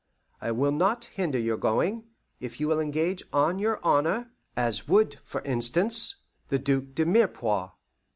I will not hinder your going, if you will engage on your honour as would, for instance, the Duc de Mirepoix!"